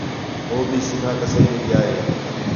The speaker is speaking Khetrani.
ہو بھی سِدھا کسائی ݙے ڳِیا ہِے